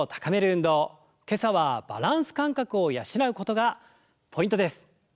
今朝はバランス感覚を養うことがポイントです！